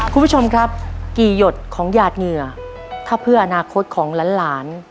คุณผู้ชมครับกี่หยดของหยาดเหงื่อถ้าเพื่ออนาคตของหลาน